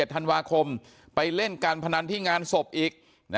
ธันวาคมไปเล่นการพนันที่งานศพอีก